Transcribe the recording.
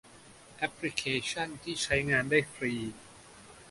แอพลิเคชั่นที่ใช้งานได้ฟรี